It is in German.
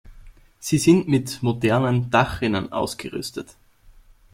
Sie sind mit „modernen“ Dachrinnen ausgerüstet.